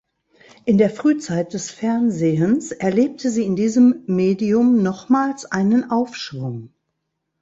In der Frühzeit des Fernsehens erlebte sie in diesem Medium nochmals einen Aufschwung.